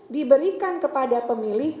diberikan kepada pemilih